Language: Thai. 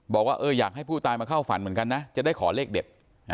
บอกว่าอยากให้ผู้ตายมาเข้าฝันเหมือนกันนะจะได้ขอเลขเด็ด